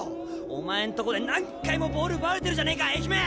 お前んとこで何回もボール奪われてるじゃねえか愛媛！